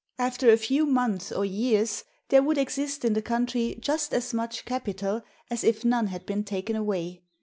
After a few months or years, there would exist in the country just as much capital as if none had been taken away.